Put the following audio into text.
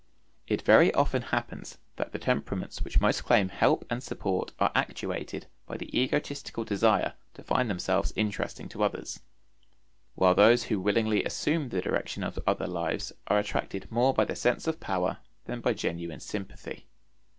It very often happens that the temperaments which most claim help and support are actuated by the egotistical desire to find themselves interesting to others, while those who willingly assume the direction of other lives are attracted more by the sense of power than by genuine sympathy.